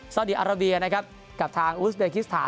สาวดีอาราเบียนะครับกับทางอูสเบคิสถาน